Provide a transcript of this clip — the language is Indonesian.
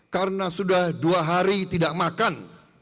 karena sudah dua hari tidak makan